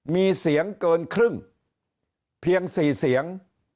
มีเสียงเกินครึ่งเพียง๔เสียง